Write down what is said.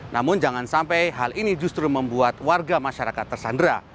namun jangan sampai hal ini justru membuat warga masyarakat tersandera